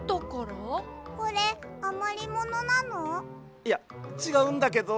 いやちがうんだけど。